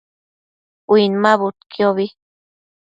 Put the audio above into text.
Uinmabudquiobi